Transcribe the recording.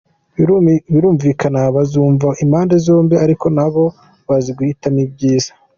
Birumvikana bazumva impande zombi ariko nabo bazi guhitamo ibyiza.